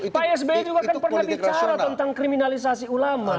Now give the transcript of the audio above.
pak sby juga kan pernah bicara tentang kriminalisasi ulama